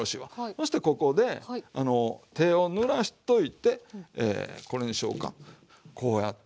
そしてここで手をぬらしといてこれにしようかこうやって。